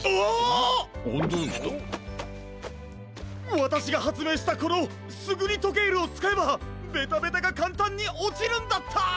わたしがはつめいしたこのスグニトケールをつかえばベタベタがかんたんにおちるんだった！